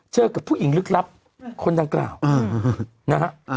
กับผู้หญิงลึกลับคนดังกล่าวนะฮะ